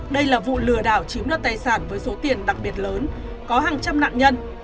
đây là vụ lừa đảo chiếm đoạt tài sản với số tiền đặc biệt lớn có hàng trăm nạn nhân